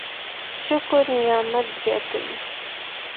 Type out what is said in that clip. شکر نعمت زياتوي.